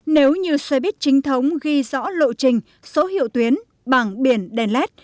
nếu như xe bít trinh thống ghi rõ lộ trình số hiệu tuyến bảng biển đèn led